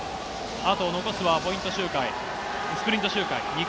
あと残すはポイント周回。